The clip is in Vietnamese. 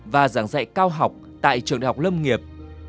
và giảng dạy cao học tại trường đại học lâm nghiệp